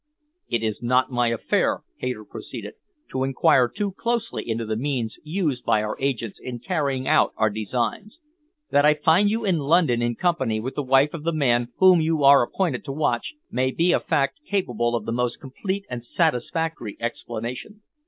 "It is not my affair," Hayter proceeded, "to enquire too closely into the means used by our agents in carrying out our designs. That I find you in London in company with the wife of the man whom you are appointed to watch, may be a fact capable of the most complete and satisfactory explanation.